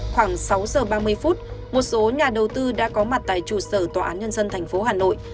khoảng sáu giờ ba mươi phút một số nhà đầu tư đã có mặt tại trụ sở tòa án nhân dân tp hà nội